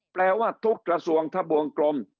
แปลว่าทุกกระทรวงทะบวงกลม